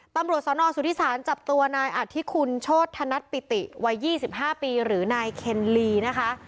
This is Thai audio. ตำรวจสนสุธิศาลจับตัวนายอธิคุณโชธนัดปิติวัย๒๕ปีหรือนายเคนลีนะคะ